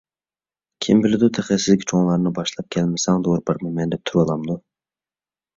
كىم بىلىدۇ، تېخى سىزگە چوڭلارنى باشلاپ كەلمىسەڭ دورا بەرمەيمەن دەپ تۇرۇۋالامدۇ!